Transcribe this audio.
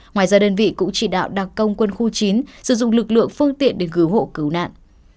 ngoài ra đơn vị cũng chỉ đạo đặc công quân khu chín sử dụng lực lượng phương tiện để cứu hộ cứu nạn